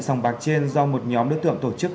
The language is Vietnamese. sòng bạc trên do một nhóm đối tượng tổ chức